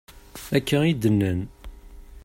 Akka i d-nnan.